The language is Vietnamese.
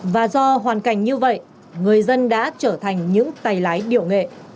và do hoàn cảnh như vậy người dân đã trở thành những tài lái điểu nghệ